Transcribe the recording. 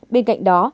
bên cạnh đó